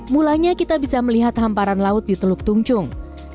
mulanya kita bisa melihat hamparan laut di teluk tungchung